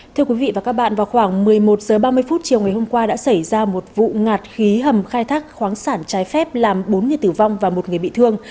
thưa quý vị và các bạn vào khoảng một mươi một h ba mươi chiều ngày hôm qua đã xảy ra một vụ ngạt khí hầm khai thác khoáng sản trái phép làm bốn người tử vong và một người bị thương